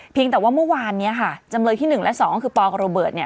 เพียงแต่ว่าเมื่อวานเนี่ยค่ะจำเลยที่๑และ๒คือปกเบิร์ตเนี่ย